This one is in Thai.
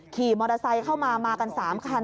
ขี่มอเตอร์ไซค์เข้ามามากัน๓คัน